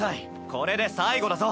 これで最後だぞ。